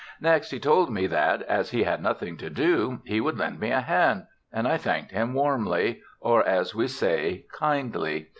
Next he told me that, as he had nothing to do, he would lend me a hand; and I thanked him warmly, or, as we say, "kindly."